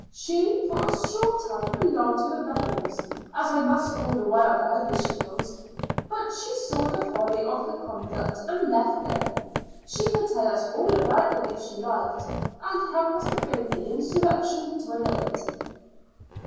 She for a short time belonged to the rebels, as I must call the Wild Irish Girls, but she saw the folly of her conduct and left them. She could tell us all about them if she liked, and help us to bring the insurrection to an end."